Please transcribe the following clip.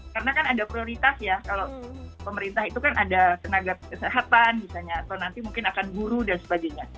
karena kan ada prioritas ya kalau pemerintah itu kan ada tenaga kesehatan bisanya atau nanti mungkin akan guru dan sebagainya